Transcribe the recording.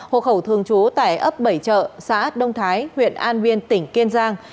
hộ khẩu thường chú tại ấp bảy trợ xã đông thái huyện an nguyên tỉnh kiên giang